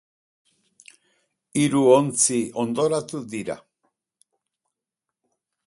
Hiru ontzi hondoratu dira.